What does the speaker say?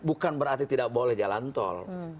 bukan berarti tidak boleh jalan tol